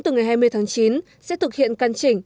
từ ngày hai mươi tháng chín sẽ thực hiện căn chỉnh